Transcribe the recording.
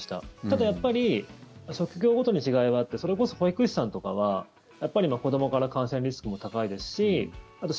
ただ、やっぱり職業ごとに違いがあってそれこそ保育士さんとかはやっぱり子どもから感染リスクも高いですしあと